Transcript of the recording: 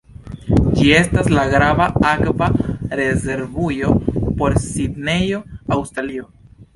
Ĝi estas la grava akva rezervujo por Sidnejo, Aŭstralio.